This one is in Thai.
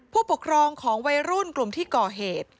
ผู้ปกครองของวัยรุ่นกลุ่มที่ก่อเหตุ